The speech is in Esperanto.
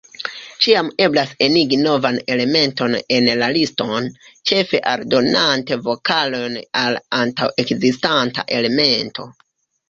Ĉiam eblas enigi novan elementon en la liston, ĉefe aldonante vokalojn al antaŭ-ekzistanta elemento.